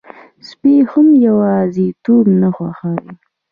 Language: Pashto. سپي هم یواځيتوب نه خوښوي.